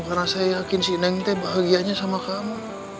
karena saya yakin si neng tuh bahagianya sama kamu